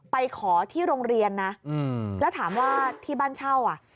ไปขอที่โรงเรียนนะแล้วถามว่าที่บ้านเช่าอ่ะ